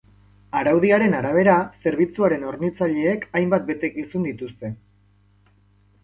Araudiaren arabera, zerbitzuaren hornitzaileek hainbat betekizun dituzte.